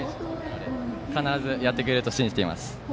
必ず、やってくれると信じています。